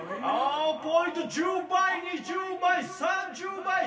ポイント１０倍２０倍３０倍そう！